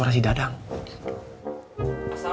brady dadang ingin tahu